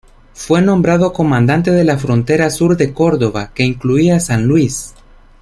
Fue nombrado comandante de la frontera sur de Córdoba, que incluía San Luis.